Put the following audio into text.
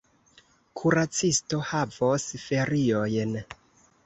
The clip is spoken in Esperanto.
Kuracisto havos feriojn.